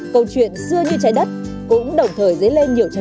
câu chuyện xưa như trái đất cũng đồng thời dấy lên nhiều tranh cãi